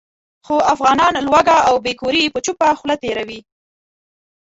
خو افغانان لوږه او بې کوري په چوپه خوله تېروي.